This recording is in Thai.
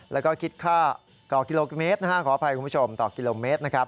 แล้วก็คิดค่าต่อกิโลเมตรขออภัยคุณผู้ชมต่อกิโลเมตรนะครับ